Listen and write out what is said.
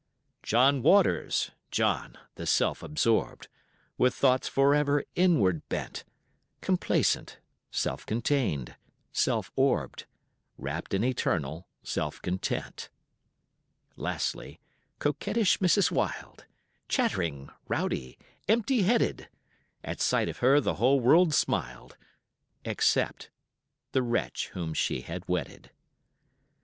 John Waters, John the self absorbed, With thoughts for ever inward bent, Complacent, self contained, self orbed, Wrapped in eternal self content. Lastly coquettish Mrs. Wild, Chattering, rowdy, empty headed; At sight of her the whole world smiled, Except the wretch whom she had wedded.